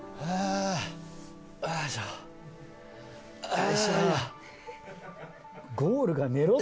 よいしょ。